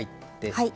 はい。